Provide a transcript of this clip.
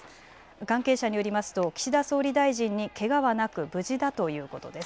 関係者によりますと岸田総理大臣にけがはなく無事だということです。